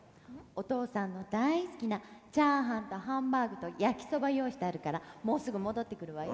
お父さんの大好きなチャーハンとハンバーグと焼きそば用意してあるからもうすぐ戻ってくるわよ。